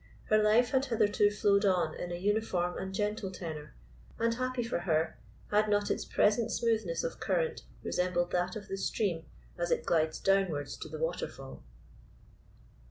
Her life had hitherto flowed on in a uniform and gentle tenor, and happy for her had not its present smoothness of current resembled that of the stream as it glides downwards to the waterfall!